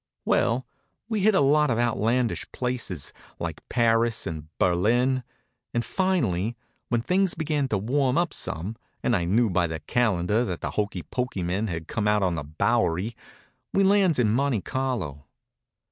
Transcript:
Well, we hit a lot of outlandish places, like Paris and Berlin; and finally, when things began to warm up some, and I knew by the calendar that the hokey pokey men had come out on the Bowery, we lands in Monte Carlo.